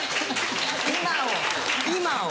今を？